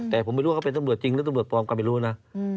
แต่ผมไม่รู้ว่าเขาเป็นตำรวจจริงหรือตำรวจปลอมก็ไม่รู้นะ